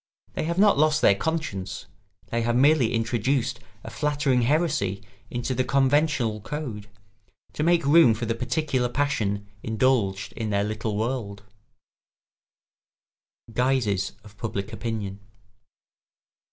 They have not lost their conscience; they have merely introduced a flattering heresy into the conventional code, to make room for the particular passion indulged in their little world. [Sidenote: Guises of public opinion.